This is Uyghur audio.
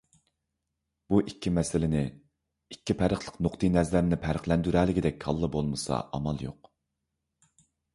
بۇ ئىككى مەسىلىنى، ئىككى پەرقلىق نۇقتىئىنەزەرنى پەرقلەندۈرەلىگۈدەك كاللا بولمىسا، ئامال يوق.